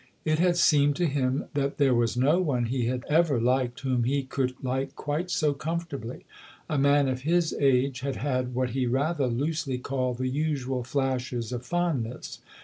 It had seemed to him that there was no one he had ever liked whom he could like quite so comfortably : a man of his age had had what he rather loosely called the " usual " flashes of fondness.